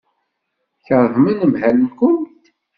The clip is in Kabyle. Tkeṛhemt anemhal-nwent.